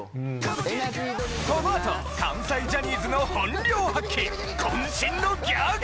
このあと関西ジャニーズの本領発揮！